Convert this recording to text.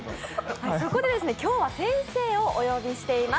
そこで今日は先生をお呼びしています。